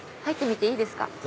入ってみていいですか？